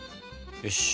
よし。